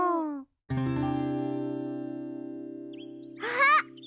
あっ！